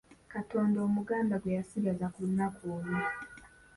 Katonda Omuganda gwe yasinzanga ku lunaku olwo.